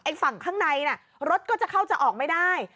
ฝั่งข้างในน่ะรถก็จะเข้าจะออกไม่ได้